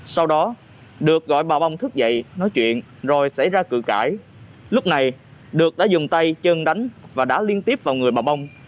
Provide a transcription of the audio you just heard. sau đó được gọi bà bông thức dậy nói chuyện rồi xảy ra cử cãi lúc này được đã dùng tay chân đánh và đã liên tiếp vào người bà bông